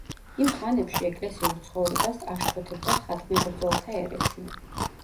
იმ ხანებში ეკლესიურ ცხოვრებას აშფოთებდა ხატმებრძოლთა ერესი.